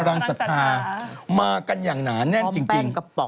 พรางสัตว์ภาคมากันอย่างหนาแน่นจริง